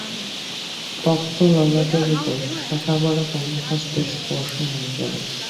তপ্ত ললাটের উপর শাঁখাপরা কোমল হস্তের স্পর্শ মনে পড়ে।